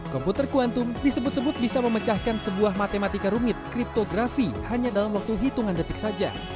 komputer kuantum disebut sebut bisa memecahkan sebuah matematika rumit kriptografi hanya dalam waktu hitungan detik saja